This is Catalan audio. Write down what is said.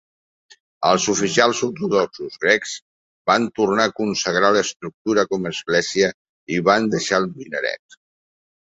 Els oficials ortodoxos grecs van tornar a consagrar l'estructura com a església i hi van deixar el minaret.